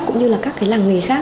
cũng như là các cái làng nghề khác